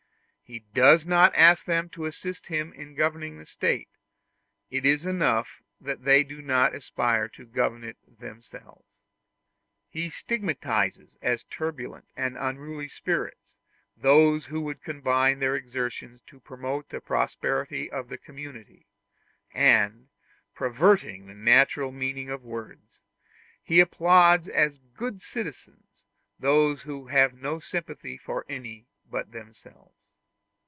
He does not ask them to assist him in governing the State; it is enough that they do not aspire to govern it themselves. He stigmatizes as turbulent and unruly spirits those who would combine their exertions to promote the prosperity of the community, and, perverting the natural meaning of words, he applauds as good citizens those who have no sympathy for any but themselves.